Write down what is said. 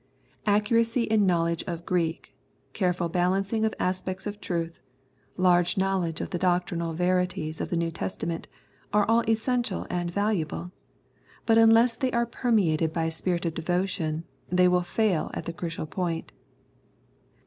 Accuracy in know 70 Knowledge and Obedience ledge of Greek, careful balancing of aspects of truth, large knowledge of the doctrinal verities of the New Testament, are all essential and valuable ; but unless they are permeated hy a spirit of devotion they will fail at the crucial point.